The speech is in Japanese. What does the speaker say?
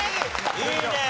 いいねえ！